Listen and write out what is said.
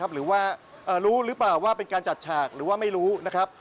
หรือว่ารู้หรือเปล่าว่าเป็นการจัดฉากหรือว่าไม่รู้นะครับ